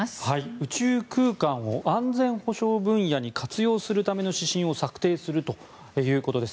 宇宙空間を安全保障分野に活用するための指針を策定するということです。